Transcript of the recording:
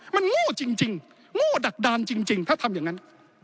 มันโง่จริงโง่ดักดานจริงถ้าทำอย่างนั้น